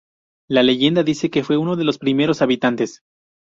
La leyenda dice que fue unos de los primeros habitantes.